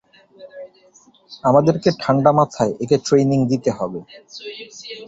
আমাদেরকে ঠাণ্ডা মাথায় একে ট্রেইনিং দিতে হবে।